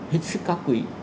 hết sức cao quý